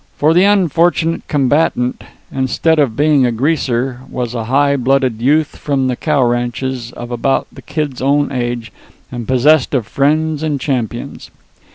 For, the unfortunate combatant, instead of being a Greaser, was a high blooded youth from the cow ranches, of about the Kid's own age and possessed of friends and champions.